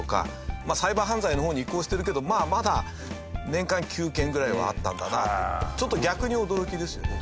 まあサイバー犯罪の方に移行してるけどまだ年間９件ぐらいはあったんだなとちょっと逆に驚きですよね。